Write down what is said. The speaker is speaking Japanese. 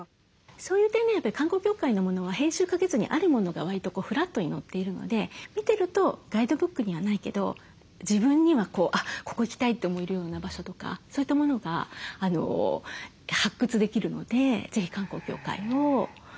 そういう点でやっぱり観光協会のものは編集かけずにあるものがわりとフラットに載っているので見てるとガイドブックにはないけど自分には「あっここ行きたい」と思えるような場所とかそういったものが発掘できるので是非観光協会を利用してほしいなと思います。